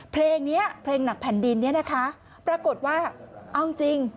เพลงหนักแผ่นดินปรากฏว่าเอาจริง